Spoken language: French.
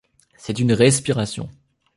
C'est une respiration.